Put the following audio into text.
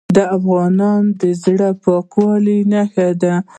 د افغانانو د زړه پاکوالي نښه ده.